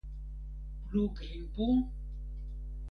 Plu grimpu?